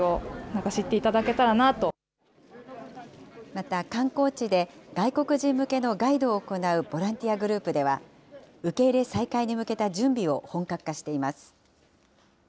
また、観光地で外国人向けのガイドを行うボランティアグループでは、受け入れ再開に向けた準備を本格化しています。